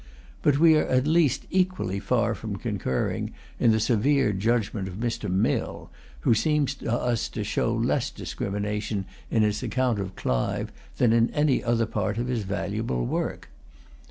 But we are at least equally far from concurring in the severe judgment of Mr. Mill, who seems to us to show less discrimination in his account of Clive than in any other part of his valuable work.